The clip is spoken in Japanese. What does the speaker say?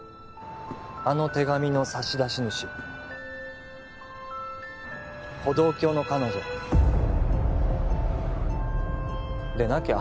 あの手紙の差し出し主歩道橋の彼女でなきゃ